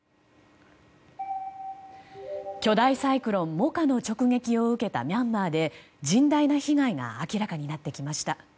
巨大サイクロン、モカの直撃を受けたミャンマーで、甚大な被害が明らかになってきました。